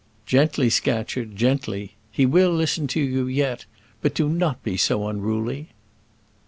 "Gently, Scatcherd; gently. He will listen to you yet; but do not be so unruly."